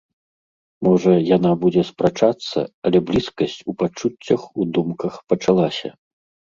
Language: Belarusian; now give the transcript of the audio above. Можа, яна будзе спрачацца, але блізкасць у пачуццях, у думках пачалася.